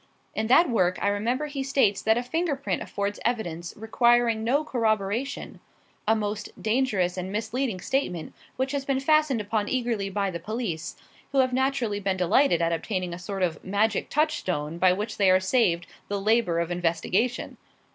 In that work I remember he states that a finger print affords evidence requiring no corroboration a most dangerous and misleading statement which has been fastened upon eagerly by the police, who have naturally been delighted at obtaining a sort of magic touchstone by which they are saved the labour of investigation.